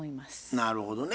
なるほどね。